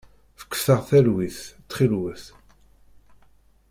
Fket-aɣ talwit, ttxilwet!